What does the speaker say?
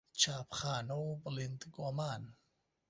چاپخانە و بڵیندگۆمان